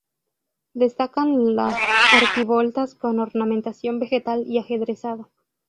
Destacan las arquivoltas con ornamentación vegetal y ajedrezado.